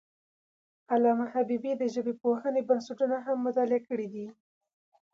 علامه حبیبي د ژبپوهنې بنسټونه هم مطالعه کړي دي.